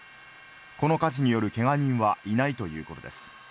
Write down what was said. この火事によるけが人はいないということです。